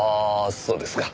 そうですか。